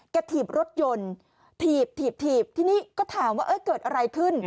ถีบรถยนต์ถีบถีบทีนี้ก็ถามว่าเกิดอะไรขึ้น